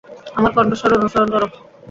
আমার কন্ঠস্বর অনুসরণ করো।